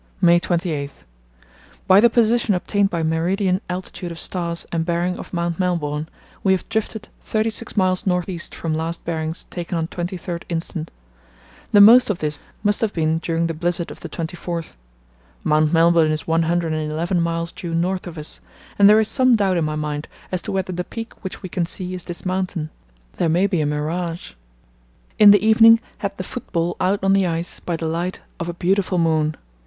"May 28.—By the position obtained by meridian altitude of stars and bearing of Mount Melbourne, we have drifted thirty six miles north east from last bearings taken on 23rd inst. The most of this must have been during the blizzard of the 24th. Mount Melbourne is one hundred and eleven miles due north of us, and there is some doubt in my mind as to whether the peak which we can see is this mountain. There may be a mirage.... In the evening had the football out on the ice by the light of a beautiful moon.